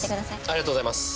ありがとうございます。